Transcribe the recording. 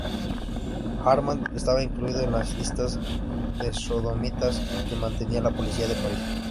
Armand estaba incluido en las listas de sodomitas que mantenía la policía de París.